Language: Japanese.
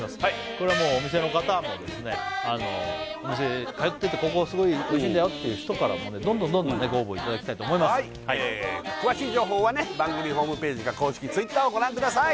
これはお店の方もですねお店通っててここすごいおいしいんだよっていう人からもどんどんご応募いただきたいと思います詳しい情報は番組ホームページか公式Ｔｗｉｔｔｅｒをご覧ください